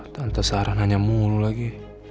tante sarananya mulu lagi